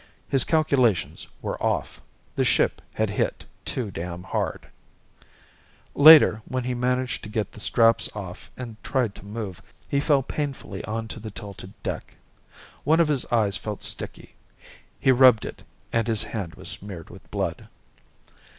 His calculations were off. The ship had hit too damn hard. Later, when he managed to get the straps off and tried to move, he fell painfully onto the tilted deck. One of his eyes felt sticky. He rubbed at it and his hand was smeared with blood.